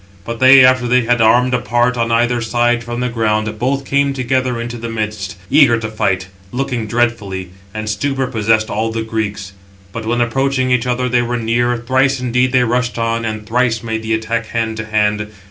But they, after they had armed apart on either side from the ground, both came together into the midst, eager to fight, looking dreadfully; and stupor possessed all the Greeks. But when approaching each other, they were near, thrice indeed they rushed on, and thrice made the attack hand to hand.